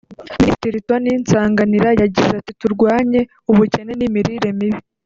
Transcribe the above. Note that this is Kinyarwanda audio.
Minisitiri Tony Nsanganira yagize ati “Turwanye ubukene n’imirire mibi